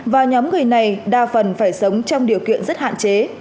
và nhóm người này đa phần phải sống trong điều kiện rất hạn chế